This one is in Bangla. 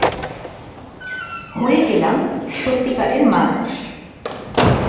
হয়ে গেলাম সত্যিকারের মানুষ!?